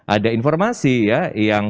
ada informasi yang